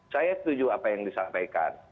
saya setuju apa yang disampaikan